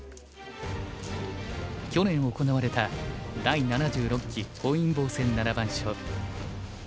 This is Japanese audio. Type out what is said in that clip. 去年行われた第７６期本因坊戦七番勝負。